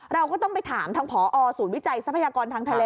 เราก็ต้องไปถามทางผอศูนย์วิจัยทรัพยากรทางทะเล